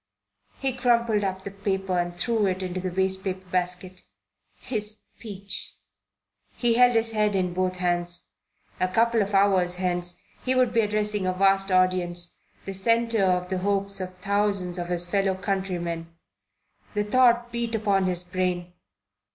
He crumpled up the paper and threw it into the waste paper basket. His speech! He held his head in both hands. A couple of hours hence he would be addressing a vast audience, the centre of the hopes of thousands of his fellow countrymen. The thought beat upon his brain.